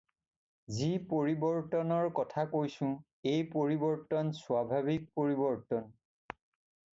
যি পৰিবৰ্ত্তনৰ কথা কৈঁছো, এই পৰিবৰ্ত্তন স্বাভাবিক পৰিবৰ্ত্তন।